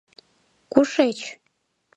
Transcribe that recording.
— Кушеч?..